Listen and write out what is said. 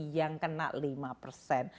yang kena lima persen